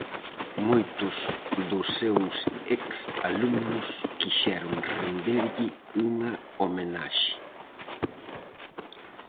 Moitos dos seus ex alumnos quixeron renderlle unha homenaxe.